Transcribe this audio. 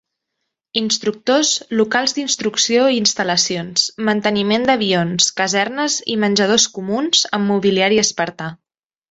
Instructors, locals d'instrucció i instal·lacions, manteniment d'avions, casernes i menjadors comuns amb mobiliari espartà.